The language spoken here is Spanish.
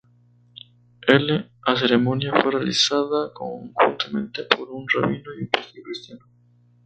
L"a ceremonia fue realizada conjuntamente por un rabino y un pastor cristiano.